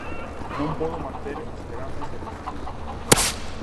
Non podo manter esperanzas de recibila?